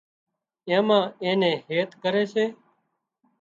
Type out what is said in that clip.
اين ما اين نين هيت ڪري سي